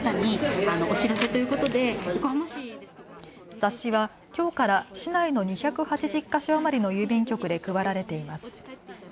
冊子はきょうから市内の２８０か所余りの郵便局で配られています。